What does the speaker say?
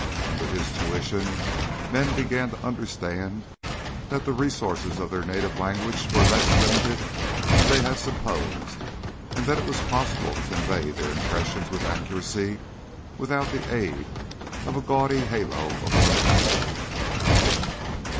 Under his tuition, men began to understand that the resources of their native language were less limited than they had supposed, and that it was possible to convey their impressions with accuracy without the aid of a gaudy halo of profanity.